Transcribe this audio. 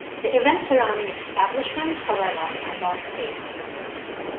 The events surrounding its establishment, however, are not clear.